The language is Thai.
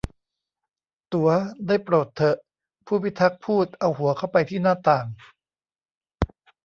'ตั๋วได้โปรดเถอะ !' ผู้พิทักษ์พูดเอาหัวเข้าไปที่หน้าต่าง